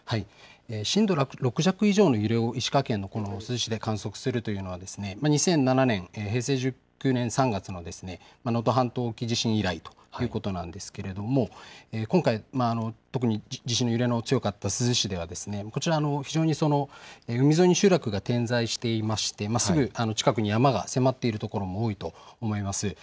震度６弱以上の揺れを石川県珠洲市で観測するのは２００７年、平成１９年３月の能登半島沖地震以来ということなんですけれども今回、特に地震の揺れの強かった珠洲市では非常に、海沿いに集落が点在していてすぐ近くに山が迫っている所も多いと思います。